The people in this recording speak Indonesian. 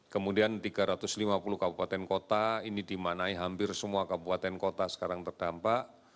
kemudian tiga ratus lima puluh kabupaten kota ini dimanai hampir semua kabupaten kota sekarang terdampak